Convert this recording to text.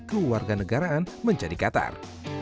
kewarganegaraan menjadi katar